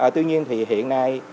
tuy nhiên thì hiện nay